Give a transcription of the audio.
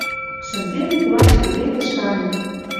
Шӹнзенӹт лач пеледӹш ганьы.